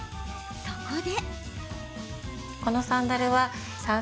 そこで。